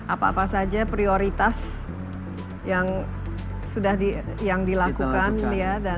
apa apa saja prioritas yang dilakukan ya